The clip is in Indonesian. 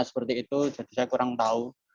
seperti itu jadi saya kurang tahu